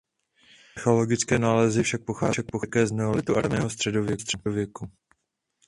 Archeologické nálezy však pocházejí také z neolitu a raného středověku.